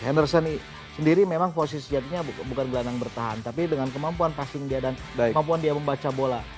henderson sendiri memang posisi sejatinya bukan gelandang bertahan tapi dengan kemampuan passing dia dan kemampuan dia membaca bola